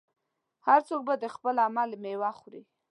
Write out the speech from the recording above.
هر څوک به د خپل عمل میوه خوري.